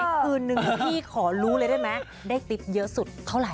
อีกหนึ่งนี่พี่ขอรู้เลยได้ไหมได้ติ๊บเยอะสุดแล้วเท่าไร